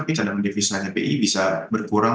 bisa dengan devis dari bi bisa berkurang